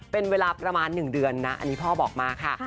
เป็นเวลาประมาณ๑เดือนนะอันนี้พ่อบอกมาค่ะ